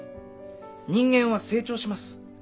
人間は成長します。